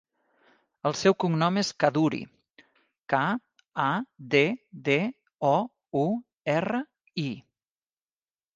El seu cognom és Kaddouri: ca, a, de, de, o, u, erra, i.